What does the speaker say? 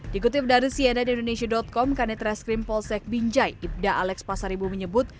dikutip dari cnn indonesia com kanitra skrim polsek binjai ibda alex pasaribu menyebut